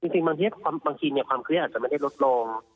จริงบางทีความเครียดอาจจะไม่ได้ลดลง